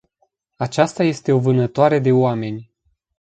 Aceasta este o vânătoare de oameni.